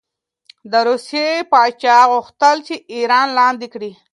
د روسیې پاچا غوښتل چې ایران لاندې کړي.